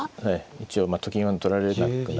一応と金は取られなくなる。